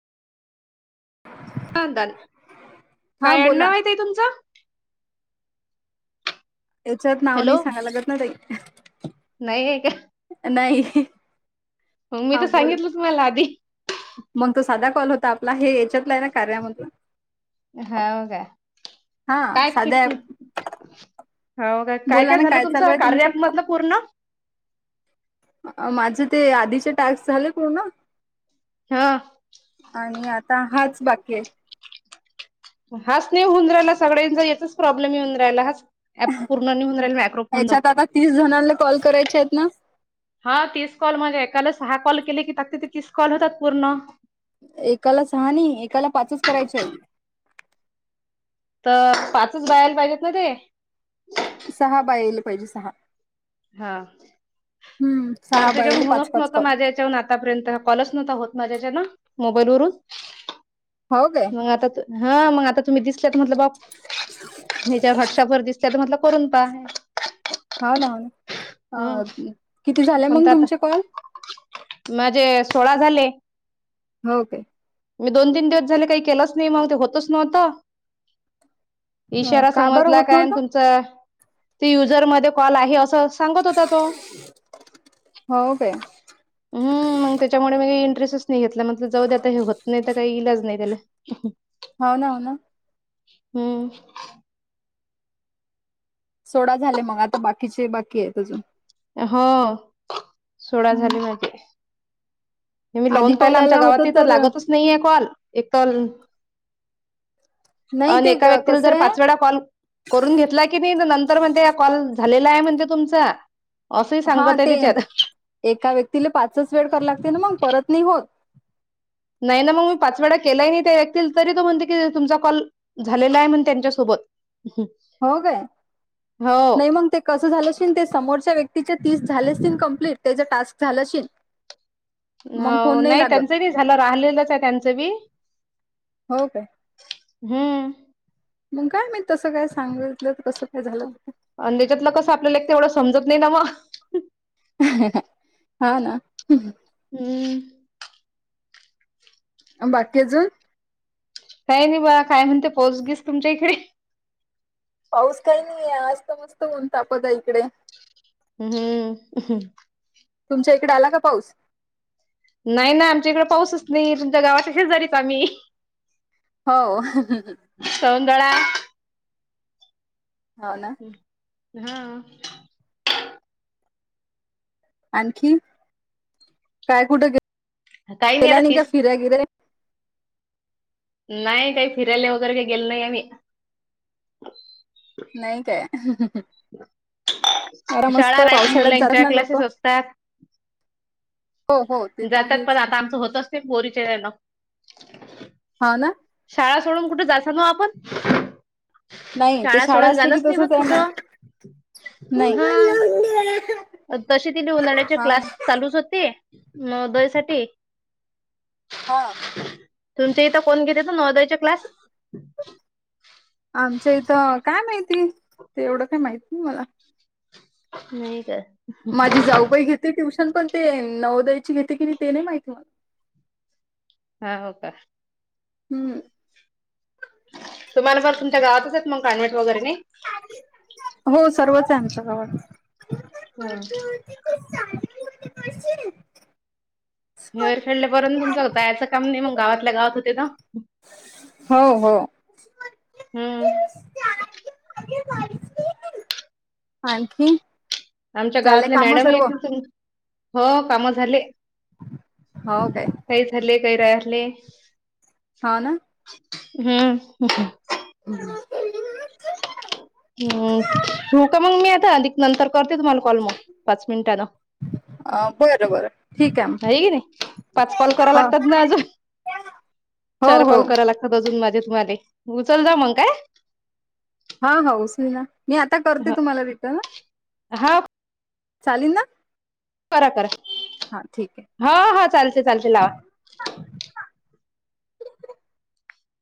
काय म्हणतात? हा काय बोला आडनाव आहे ताई तुमचा? याच्यात नाव हॅलो. नाही सांगाय लागत ना ताई? नाही का? नाही. मग मी हा तर बोल सांगितलंच मला आधी मग तो साधा कॉल होता आपला, हे यांच्यातलं आहे ना कार्यामधून? हो काय? हा काय साध्या ऍप किती हो का काय बोला काय ना झालं चालू तुमचं आहे कार्यमधलं पूर्ण. माझे ते आधीचे टॅक्स झाले पूर्ण? हा. आणि आता हाच बाकी आहे. हाच नाही होऊन राहिला सगळ्यांच याचाच प्रॉब्लेम येऊन राहिला. हाच ऍप पूर्ण निहून राहील मायक्रोफोन द याच्यात आता तीस जणांना कॉल करायचे आहेत ना? हा तीच कॉल म्हणजे एकालाच सहा कॉल केले की तिथे तीस कॉल होतात पूर्ण एकाला सहा आणि एकाला पाचच करायचे आहेत. तर पाच बायाला पाहिजेत ना ते? सहा बाई आल्या पाहिले सहा. हा. हम्म. सहा आणि तेच्या बायले पाच होतंच पाच नव्हता, कॉल माझ्या हेच्या वरून आतापर्यंत हा कॉलच नव्हता होत, माझ्या हेच्यान मोबाईलवरून. हो गं. मग आता ह मग आ तुम्ही दिसत म्हटलं, बा हेच्यावर व्हॉट्सअपवर दिसल्या म्हटलं. करून पाहणे. हो ना हो ना आ हम्म किती झालं पण मंग आता तुमचे कॉल? माझे सोळा झाले. हो काय? म दोन तीन दिवस झाले काही केलाच नाही मग ते होतच नव्हतं. अ, इशारा का बरं समजला होत काय अन नव्हतं तुमचा ती युजरमध्ये कॉल आहे असं सांगत होता तो. हो काय हम्म मग तेच्यामुळे मी एंट्रेसच नाही घेतला. म्हटल जाऊदे आता हे होत नाही तर, काही इलाज नाही त्याला. हो ना, हो ना. हम्म. सोळा झालंय मग आता बाकीचे, बाकी आहेत अजून. हो सोहळा झाली माझे. मी आधी लावून पाहिला कॉल आमच्या आला होता गावात तर लागतच नाहीे कॉल एक कॉल नाही आणि ते एका व्यक्तीला कसं जर आहे पाच वेळा कॉल. करून घेतला की नाही, नंतर म्हणते कॉल झालेला आहे म्हणते तुमचा. असंही हा सांगत आहे ते तिच्यात एका व्यक्तीला पाचच वेळ करा लागते, ना मग परत नाही होतं. नाही ना मग मी पाच वेळा केलाय नाही, ते व्यक्तील तरी तो म्हणते की तुमचा कॉल. झालेलं आहे म्हण त्यांच्यासोबत. हो काय, हो मी म्हणते. कसं झालंश ते समोरच्या व्यक्तीच्या तीस झाले, अशील कंप्लीट त्याचा टास्क अशील. हो नाही त्यांचं बी झालं, राहिलेलंच आहे त्यांचं बी. हो काय हम्म. मंग काय माहित कसं, काय सांगितलं कसं काय झालं ते, आणि त्याच्यातला कसं आपलेला तेवढं समजत नाही ना म. हो ना. हम्म. बाकीचं. काही नाही बा काय म्हणते, पाऊस घिस तुमच्या इकडे. पाऊस काही नाहीये, आज तर ऊन मस्त तापत आहे इकडे. हम् हम् अं हं. तुमच्या इकडे आला, का पाऊस. नाही नाही आमच्या इकडं पाऊसच नाही तुमच्या गावाच्याशीच शेजारीच आम्ही. हो हं हं हं. सौंदळा हाव ना. हम्म हा. आणखी काय कुठं, गे- काही गेल आता नाही का तीस फिरायला बिराय. नाही काही फिरायले वगैरे, गेल नाही आम्ही. नाही काय, हं हं हं. शाळा राहते, पावसाळ्यात जातात मुलांच्या ना लोक क्लासेस असतात. हो हो ते तर जातात पण आहेच आता आमचं होतंच, ते पोरीचे वेळेला. हो ना. शाळा सोडून कुठे जायचा ना आपण. नाही ते शाळा सोडून असले की, जाणच नाही होत तसच आहे ना कुठं. नाही. अ तशी तिने उन्हाळ्याचे हा क्लास ना चालूच होते. नवोदयसाठी. हा. तुमच्या इथं कोण घेते नवोदयच्या क्लास? आमच्या इथं काय माहिती ते एवढं काय माहित ना मला. नाही काय माझी जाऊबाई घेते ट्युशन पण ते नवोदयाची घेते की नाही ते नाही माहित. हा हो का. हम्म. तुम्हाला जर तुमच्या गावातच मग कान्वट वगैरे नाय. हो सर्वच आहे आमच्या गावात. ह. म हेर खेडल्यापर्यंत तुमच कायचं काम नाही मंग गावातल्या गावात होते ना. हो हो. हम्म. आणखीन आमच्या गावातले मॅडम आहे तुम्ही हो काम झाले. हो काय? काही झाले काहीरा अरले. हा ना. हम्म. [unintelligible] हम्म ठेवू का मग मी आता अधिक नंतर करते तुम्हाला कॉल मग पाच मिनिटांनं. अं, बरं बरं ठीक आहे मग. होय की नाही पाच कॉल करा लागतात ना हो अजून. हो चार हो कॉल करायला लागतात अजून माझे तुम्हाले उचल जा मंग काय. हा हा उचली ना मी आता करते हा तुम्हाला रिटर्न. हा चालेल ना? करा करा हां ठीक आहे हा हा चालते चालते लावा.